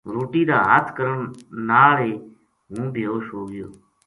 روٹی دا ہتھ کرن نال ہی ہوں بے ہوش ہو گیو